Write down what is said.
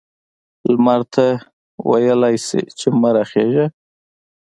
لمر ته ویلای شي چې مه را خیژه؟